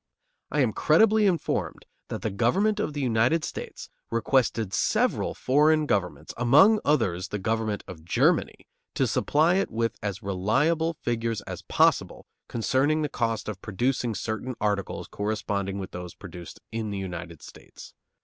I am credibly informed that the government of the United States requested several foreign governments, among others the government of Germany, to supply it with as reliable figures as possible concerning the cost of producing certain articles corresponding with those produced in the United States.